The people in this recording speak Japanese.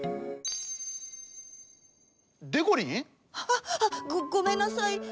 あっあっごごめんなさい。